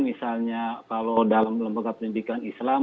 misalnya kalau dalam lembaga pendidikan islam